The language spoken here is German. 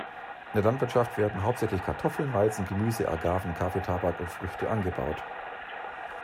In der Landwirtschaft werden hauptsächlich Kartoffeln, Weizen, Gemüse, Agaven, Kaffee, Tabak und Früchte angebaut.